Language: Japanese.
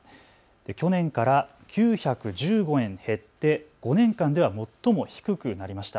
去年から９１５円減って５年間では最も低くなりました。